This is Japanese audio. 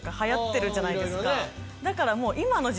だから。